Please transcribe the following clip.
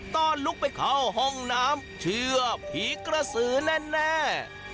ตอนลุกไปเข้าห้องน้ำเชื่อผีกระสือแน่